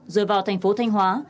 rồi vào thành phố thanh hóa